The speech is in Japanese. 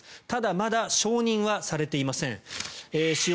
ただまだ承認されていません。